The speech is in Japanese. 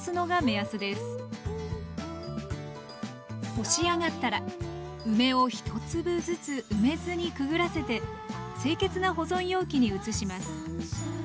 干しあがったら梅を１粒ずつ梅酢にくぐらせて清潔な保存容器に移します